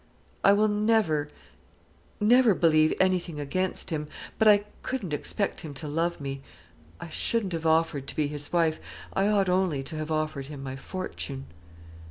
I will never, never believe anything against him; but I couldn't expect him to love me. I shouldn't have offered to be his wife; I ought only to have offered him my fortune."